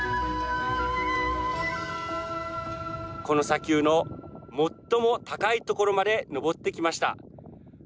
この砂丘の最も高い所まで登ってきました。